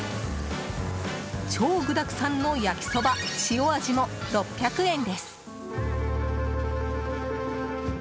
超具だくさんの焼そば塩味も６００円です。